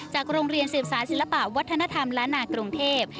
โรงเรียนสืบสารศิลปะวัฒนธรรมล้านนากรุงเทพ